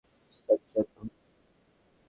সাজ্জাদ, ভুল হয়েছে।